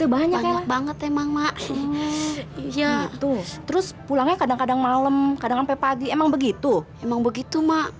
banget emang mak ya terus pulangnya kadang kadang malem kadang pagi emang begitu emang begitu mak